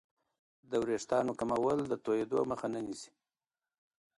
د وریښتانو کمول د توېدو مخه نه نیسي.